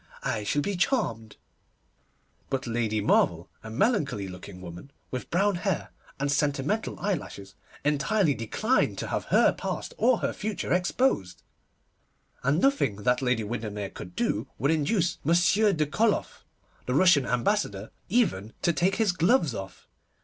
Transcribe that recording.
I shall be charmed'; but Lady Marvel, a melancholy looking woman, with brown hair and sentimental eyelashes, entirely declined to have her past or her future exposed; and nothing that Lady Windermere could do would induce Monsieur de Koloff, the Russian Ambassador, even to take his gloves off.